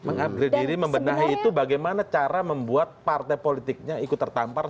mengupgrade diri membenahi itu bagaimana cara membuat partai politiknya ikut tertampar